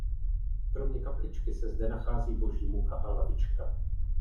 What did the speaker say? Kromě kapličky se zde nachází Boží muka a lavička.